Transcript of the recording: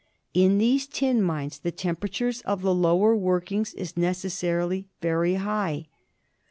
In these deep mines the temperature of the lower workings is necessarily very high.